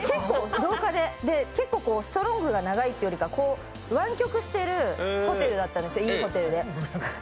結構、ストロークが長いというか湾曲しているホテルだったんですよ、いいホテルで。